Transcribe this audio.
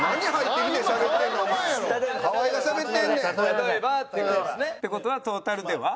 例えばっていう事ですね？って事はトータルでは？